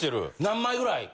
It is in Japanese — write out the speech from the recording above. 何枚ぐらい？